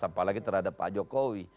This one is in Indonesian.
apalagi terhadap pak jokowi